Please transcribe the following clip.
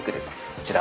こちら。